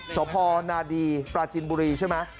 สพนาดีปราจินบุรีใช่ไหม